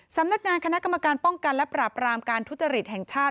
สำนักงานคณะกรรมการป้องกันและปราบรามการทุจริตแห่งชาติ